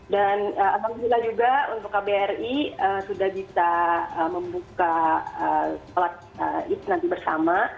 dan alhamdulillah juga untuk kbri sudah bisa membuka sholat idul fitri bersama